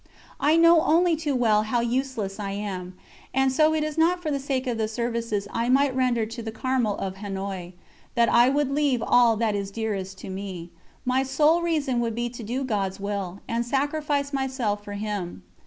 I know only too well how useless I am, and so it is not for the sake of the services I might render to the Carmel of Hanoï that I would leave all that is dearest to me my sole reason would be to do God's Will, and sacrifice myself for Him.